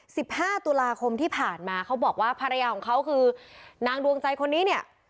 สิบห้าตุลาคมที่ผ่านมาเขาบอกว่าภรรยาของเขาคือนางดวงใจคนนี้เนี่ย